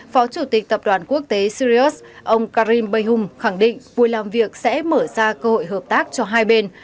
phó chủ tịch tập đoàn quốc tế sirius ông karim bayhum khẳng định vui làm việc sẽ mở ra cơ hội hợp tác cho hai bên